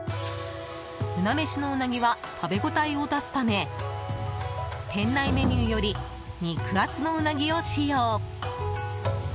うな飯のうなぎは食べ応えを出すため店内メニューより肉厚のうなぎを使用。